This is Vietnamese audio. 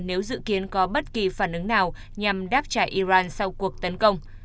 nếu dự kiến có bất kỳ phản ứng nào nhằm đáp trả iran sau cuộc tấn công